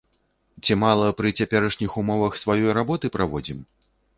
Ці мала пры цяперашніх умовах сваёй работы праводзім?